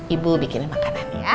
ibu bikin makanan ya